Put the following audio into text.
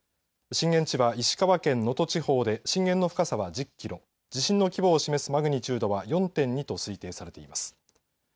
震源地は石川県能登地方で震源の深さは１０キロ地震の規模を示すマグニチュードは４．２と推定されています。